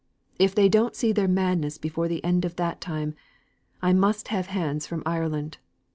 If they don't see their madness before the end of that time, I must have hands from Ireland.